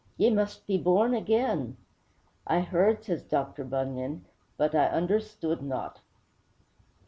_' 'Ye must be born again!' 'I heard,' says Bunyan, '_but I understood not!